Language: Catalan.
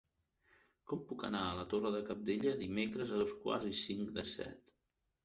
Com puc anar a la Torre de Cabdella dimecres a dos quarts i cinc de set?